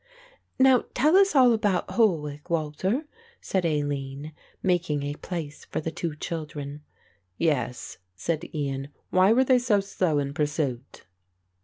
"Now tell us all about Holwick, Walter," said Aline, making a place for the two children. "Yes," said Ian, "why were they so slow in pursuit?"